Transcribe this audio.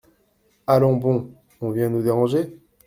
Allons, bon ! on vient nous déranger !